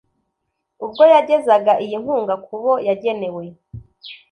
Ubwo yagezaga iyi nkunga ku bo yagenewe,